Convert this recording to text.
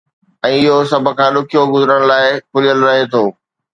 ۽ اهو سڀ کان ڏکيو گذرڻ لاءِ کليل رهي ٿو.